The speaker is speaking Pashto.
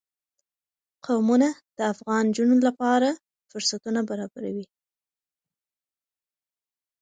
قومونه د افغان نجونو د پرمختګ لپاره فرصتونه برابروي.